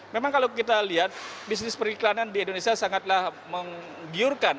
memang kalau kita lihat bisnis periklanan di indonesia sangatlah menggiurkan